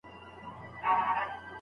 نو وړتیا یې لوړېږي.